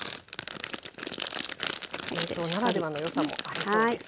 冷凍ならではの良さもありそうです。